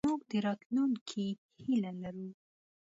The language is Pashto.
موږ د راتلونکې هیله لرو.